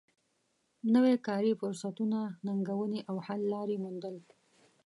نوی کاري فرصتونه ننګونې او حل لارې موندل